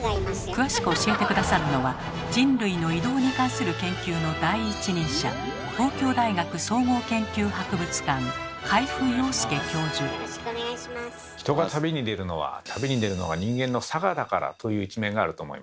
詳しく教えて下さるのは人類の移動に関する研究の第一人者人が旅に出るのは旅に出るのが人間の性だからという一面があると思います。